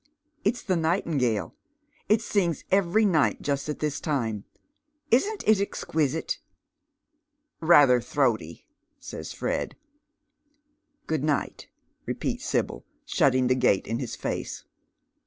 " It's the nightingale. It sings every night just at this tima. Isn't it exquisite?" " Ilather tlivoaty," says Fred. " Good night," repeats Sibyl, shutting the gate in hid face.